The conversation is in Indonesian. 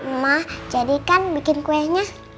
emah jadi kan bikin kuenya